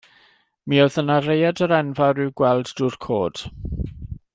Mi oedd yna raeadr enfawr i'w gweld drwy'r coed.